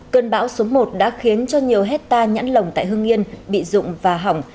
cơn bão số một đã khiến cho nhiều hectare nhãn lồng tại hương yên bị dụng và hỏng